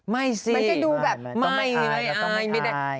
ไม่สิต้องไม่ทายเราต้องไม่ทายไม่ได้มันจะดูแบบ